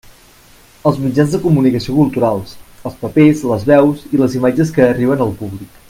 Els mitjans de comunicació culturals: els papers, les veus i les imatges que arriben al públic.